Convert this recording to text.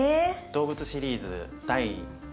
動物シリーズ第２問。